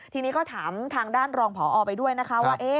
ทีนี้ก็ถามทางด้านรองผอไปด้วยนะคะว่า